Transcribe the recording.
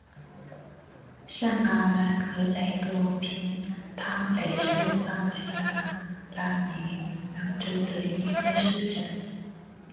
上阿莱格雷多平达雷是巴西马拉尼昂州的一个市镇。